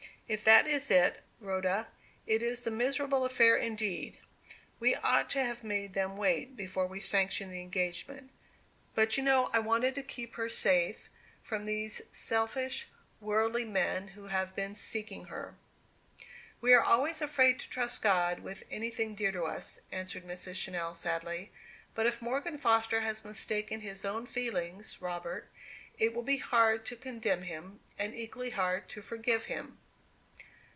"If that is it, Rhoda, it is a miserable affair indeed! We ought to have made them wait before we sanctioned the engagement. But you know I wanted to keep her safe from those selfish, worldly men who have been seeking her." "We are always afraid to trust God with anything dear to us," answered Mrs. Channell, sadly. "But if Morgan Foster has mistaken his own feelings, Robert, it will be hard to condemn him, and equally hard to forgive him."